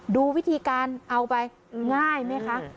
ดูวิธีการเอาไปง่ายไหมคะ